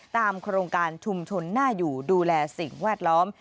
โครงการชุมชนน่าอยู่ดูแลสิ่งแวดล้อม